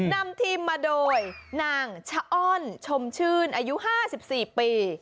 นำทีมมาโดยนางชะอ้อนชมชื่นอายุ๕๔ปี